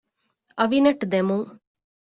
އަވިނެޓް ދެމުން